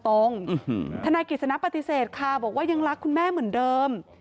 ทนายกิจสนะปฏิเสธค่ะบอกว่ายังรักคุณแม่เหมือนเดิม